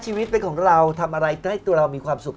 ชีวิตเป็นของเราทำอะไรให้ตัวเรามีความสุข